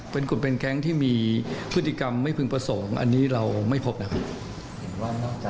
เป็นกลุ่มเป็นแก๊งที่มีพฤติกรรมไม่พึงประสงค์อันนี้เราไม่พบนะครับ